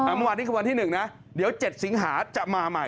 เมื่อวานนี้คือวันที่๑นะเดี๋ยว๗สิงหาจะมาใหม่